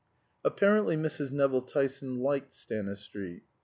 Apparently Mrs. Nevill Tyson liked Stanistreet.